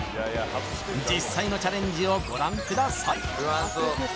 実際のチャレンジをご覧ください